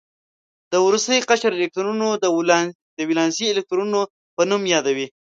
د وروستي قشر الکترونونه د ولانسي الکترونونو په نوم یادوي.